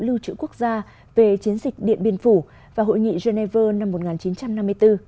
lưu trữ quốc gia về chiến dịch điện biên phủ và hội nghị geneva năm một nghìn chín trăm năm mươi bốn